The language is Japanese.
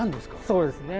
そうですね。